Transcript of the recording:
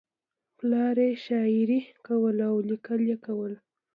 پلار یې شاعري کوله او لیکل یې کول